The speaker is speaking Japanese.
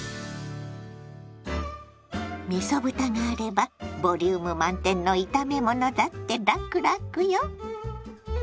みそ豚があればボリューム満点の炒め物だってラクラクよ。